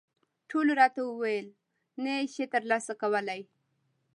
ټولو راته وویل، نه یې شې ترلاسه کولای.